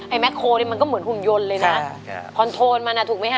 ไอ้แมคโครมนี่มันก็เหมือนหุ่นยนต์เลยนะคอนโทลมันอะถูกมั้ยคะ